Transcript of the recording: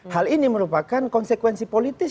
hal ini merupakan konsekuensi politis